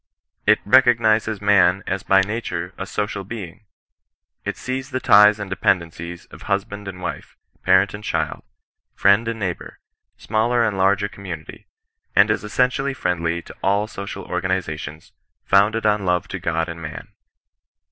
It recognizes man as by nature a social being. It sees the ties and dependencies of husband and wife, parent and child, friend and neighbour, smaller and larger community ; and is essentially friendly to all social or ganizations, founded on love to God and man.